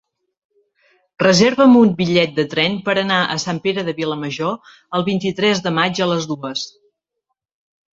Reserva'm un bitllet de tren per anar a Sant Pere de Vilamajor el vint-i-tres de maig a les dues.